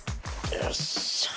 よっしゃ！